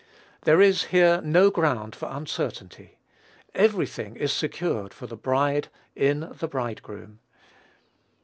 There is here no ground for uncertainty. Every thing is secured for the bride in the bridegroom.